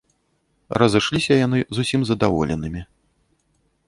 Разышліся яны зусім задаволенымі.